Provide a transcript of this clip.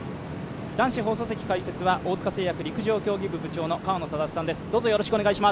男子放送席解説は大塚製薬陸上競技部部長の河野匡さんです。